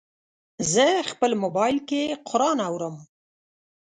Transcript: زه خپل موبایل کې قرآن اورم.